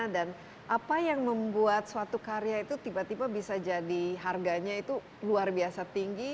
dan apa yang membuat suatu karya itu tiba tiba bisa jadi harganya itu luar biasa tinggi